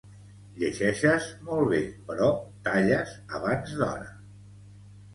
Llegeixes molt bé però talles abans d'hora